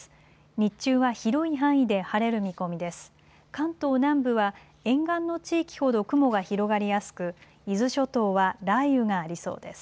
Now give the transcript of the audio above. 日中は広い範囲で晴れる見込みです。